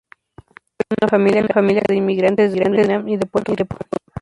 Nació en una familia católica de inmigrantes de Surinam y de Puerto Rico.